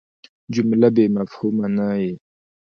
جمله بېمفهومه نه يي.